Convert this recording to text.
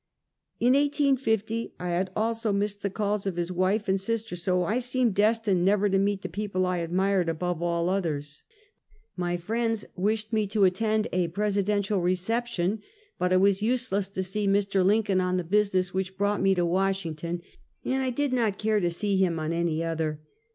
In 1850 I had also missed the calls of his wife and sis ter, and so I seemed destined never to meet the peo ple I admired above all others. 236 Half a Centuet. My friends wislied me to attend a Presidential re ception ; but it was useless to see Mr. Lincoln on the business which brought me to "Washington, and I did not care to see him on any other.